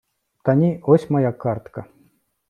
Та ні, ось моя картка.